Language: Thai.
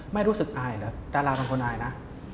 ไม่รู้สึกอายเหรอดาราเป็นคนอายนะ